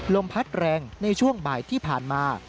ลมพัดแรงในช่วงบ่ายที่ผ่านมา